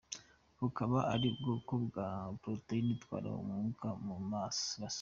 Bukaba ari ubwoko bwa poroteyine itwara umwuka mu maraso.